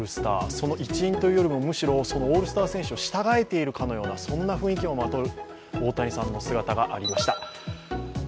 その一員というよりも、むしろそのオールスター選手を従えているかのようなそんな雰囲気をまとう大谷さんの姿がありました。